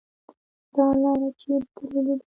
.دا لار چیري تللې ده؟